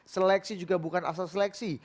seleksi juga bukan asal seleksi